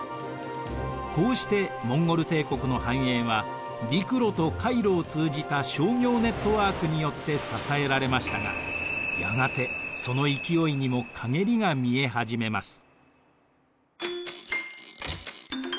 こうしてモンゴル帝国の繁栄は陸路と海路を通じた商業ネットワークによって支えられましたがやがてその勢いにもかげりが見え始めます。